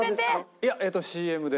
いやＣＭで。